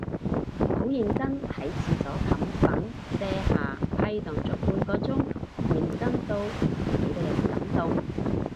好認真喺廁所冚粉遮瑕批蕩咗半個鐘，認真到我自己都有啲感動